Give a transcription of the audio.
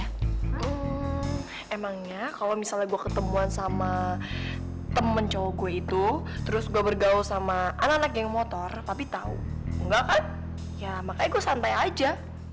hmm emangnya kalau misalnya gue ketemuan sama temen cowok gue itu terus gue bergaul sama anak anak geng motor tapi tahu enggak kan ya makanya gue santai aja